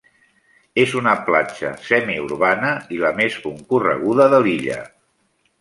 És una platja semiurbana i la més concorreguda de l'illa.